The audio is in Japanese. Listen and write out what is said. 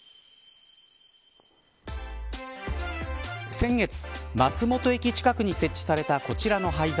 先月、松本駅近くに設置されたこちらの灰皿。